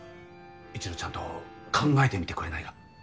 一度ちゃんと考えてみてくれないか。